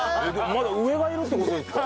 まだ上がいるって事ですか？